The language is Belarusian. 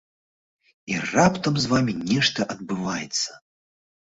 І раптам з вамі нешта адбываецца.